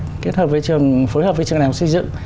sở kiến trúc và kế hoạch phối hợp với trường đại học xây dựng